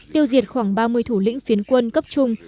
tiêu diệt khoảng ba mươi thủ lĩnh phiến quân cấp trung